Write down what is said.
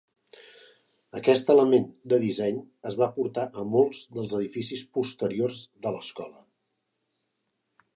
Aquest element de disseny es va portar a molts dels edificis posteriors de l'escola.